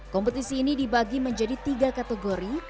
kompetisi ini dibagi menjadi tiga kategori